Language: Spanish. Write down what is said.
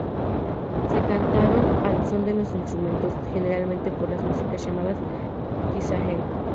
Se cantaron al son de los instrumentos, generalmente por las músicas llamadas kisaeng.